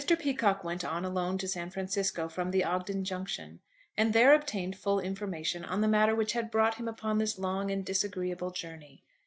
PEACOCKE went on alone to San Francisco from the Ogden Junction, and there obtained full information on the matter which had brought him upon this long and disagreeable journey.